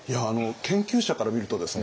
研究者から見るとですね